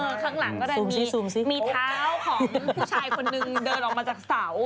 ข้างหลังก็เลยมีเท้าของผู้ชายคนนึงเดินออกมาจากเสา